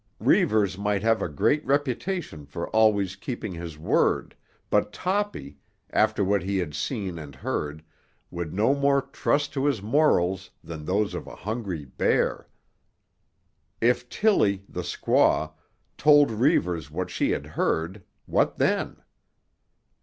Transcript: Reivers might have a great reputation for always keeping his word, but Toppy, after what he had seen and heard, would no more trust to his morals than those of a hungry bear. If Tilly, the squaw, told Reivers what she had heard, what then?